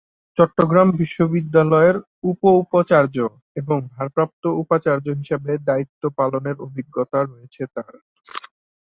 চট্টগ্রাম বিশ্ববিদ্যালয়ের উপ-উপাচার্য এবং ভারপ্রাপ্ত উপাচার্য হিসেবেও দায়িত্ব পালনের অভিজ্ঞতা রয়েছে তার।